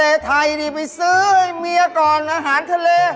เมียไทยนี่ไปซื้อเมียก่อนอาหารทะเล